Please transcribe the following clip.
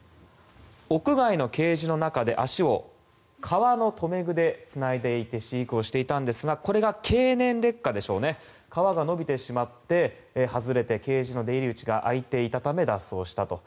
屋外のケージの中で足を、革の留め具でつないで飼育をしていたんですがこれが、経年劣化でしょうね革が伸びてしまって外れてケージの出入り口が開いていたため脱走したと。